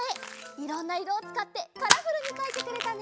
いろんないろをつかってカラフルにかいてくれたね！